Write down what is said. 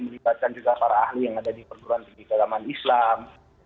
melibatkan juga para ahli yang ada di perguruan tinggi keagamaan islam